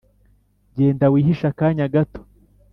Genda wihishe akanya gato